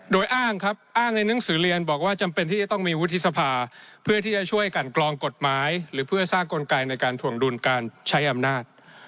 โดยอ้างครับอ้างในหนังสือเรียนบอกว่าจำเป็นที่จะต้องมีวุฒิสภาเพื่อที่จะช่วยกันกรองกฎหมายหรือเพื่อสร้างกลไกในการถวงดุลการใช้อำนาจ